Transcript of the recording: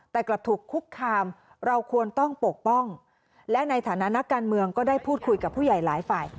แต่กลับถูกคุกคามเราควรต้องปกป้องและในฐานะนักการเมืองก็ได้พูดคุยกับผู้ใหญ่หลายฝ่าย